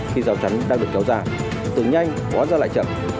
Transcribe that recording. khi rào trắng đang được kéo giả từ nhanh hóa ra lại chậm